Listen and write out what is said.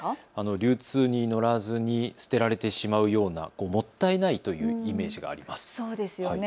流通に乗らずに捨てられてしまうようなもったいないというイメージがあります。